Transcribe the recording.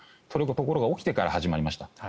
ところが起きてから始まりました。